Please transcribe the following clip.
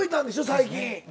最近。